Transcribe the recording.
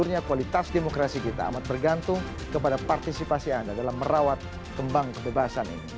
akhirnya kualitas demokrasi kita amat bergantung kepada partisipasi anda dalam merawat kembang kebebasan ini